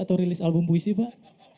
atau rilis album puisi pak